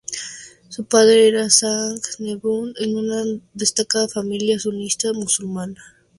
Su padre era Shah Nawaz Bhutto, de una destacada familia sunita musulmana.